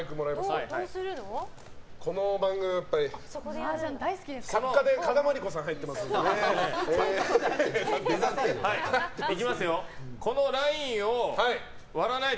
この番組はやっぱり作家で加賀まりこさんが入ってますので。